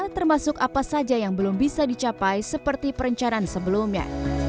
termasuk apa saja yang belum bisa dicapai seperti perencanaan sebelumnya